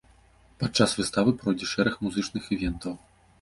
Падчас выставы пройдзе шэраг музычных івентаў.